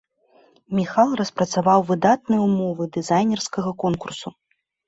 Міхал распрацаваў выдатныя ўмовы дызайнерскага конкурсу.